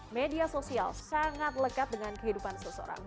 media sosial sangat lekat dengan kehidupan seseorang